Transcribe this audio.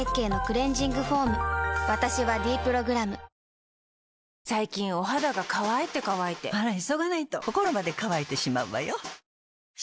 私は「ｄプログラム」最近お肌が乾いて乾いてあら急がないと心まで乾いてしまうわよ。